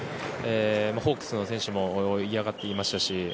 ホークスの選手も嫌がっていましたし